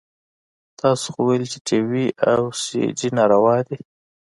تاسو خو ويل چې ټي وي او سي ډي ناروا دي.